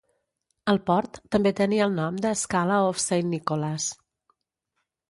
El port també tenia el nom de Skala of Saint Nicholas.